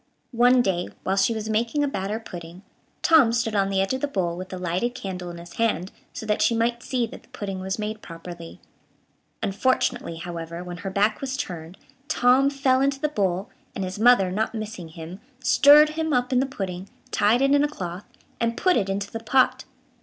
One day, while she was making a batter pudding, Tom stood on the edge of the bowl, with a lighted candle in his hand, so that she might see that the pudding was made properly. Unfortunately, however, when her back was turned, Tom fell into the bowl, and his mother, not missing him, stirred him up in the pudding, tied it in a cloth, and put it into the pot.